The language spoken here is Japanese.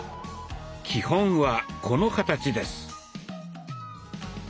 基本はこの形です。